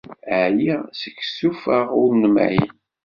Ɛyiɣ seg tsufaɣ ur nemɛin.